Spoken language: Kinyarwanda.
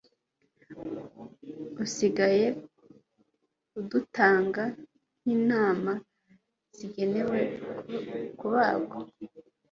Usigaye udutanga nk’intama zigenewe kubagwa